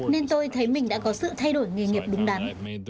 nên tôi thấy mình đã có sự thay đổi nghề nghiệp đúng đắn